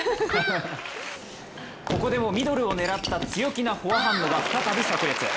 ここでもミドルを狙った強気のフォアハンドが再びさく裂。